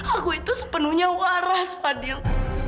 aku itu sepenuhnya waras fadil